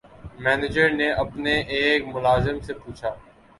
manager نے اپنے ایک ملازم سے پوچھا